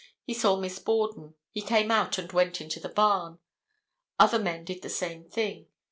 He saw Miss Borden. He came out and went into the barn. Other men did the same thing.